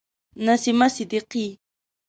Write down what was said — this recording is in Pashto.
نسیمه صدیقی